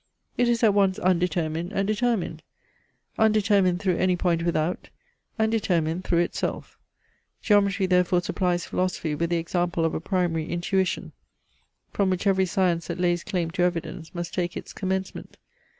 It is at once undetermined and determined; undetermined through any point without, and determined through itself. Geometry therefore supplies philosophy with the example of a primary intuition, from which every science that lays claim to evidence must take its commencement.